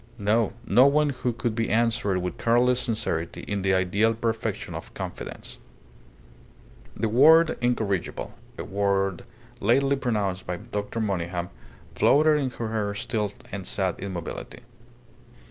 No; no one who could be answered with careless sincerity in the ideal perfection of confidence. The word "incorrigible" a word lately pronounced by Dr. Monygham floated into her still and sad immobility.